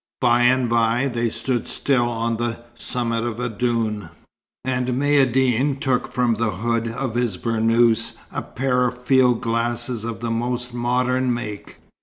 By and by they stood still on the summit of a dune, and Maïeddine took from the hood of his burnous a pair of field glasses of the most modern make.